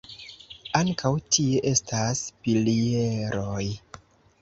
Ankaŭ tie estas pilieroj.